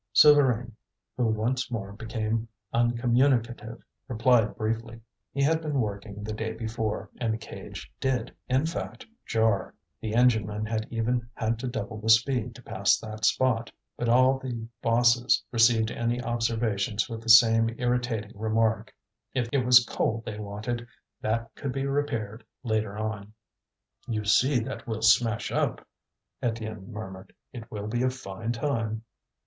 Souvarine, who once more became uncommunicative, replied briefly. He had been working the day before, and the cage did, in fact, jar; the engine men had even had to double the speed to pass that spot. But all the bosses received any observations with the same irritating remark: it was coal they wanted; that could be repaired later on. "You see that will smash up!" Étienne murmured. "It will be a fine time!"